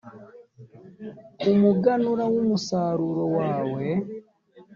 umuganura w umusaruro wawe